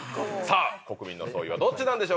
国民の総意はどっちなんでしょうか？